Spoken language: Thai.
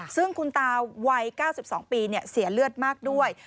ซึ่งคุณตาวัย๙๒ปีเสียเลือดมากด้วย